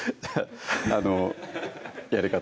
あのやり方